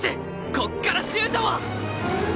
ここからシュートを